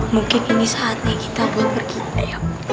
mungkin ini saatnya kita buat pergi